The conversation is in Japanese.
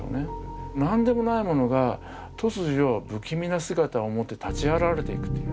何でもないものが突如不気味な姿をもって立ち現れていくという。